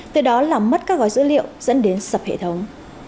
từ đó làm mất các gói dữ liệu dẫn đến sập hệ thống